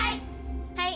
はい。